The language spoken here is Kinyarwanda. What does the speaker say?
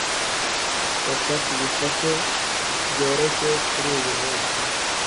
Reka tuyifate byoroshye kuri uyu munsi.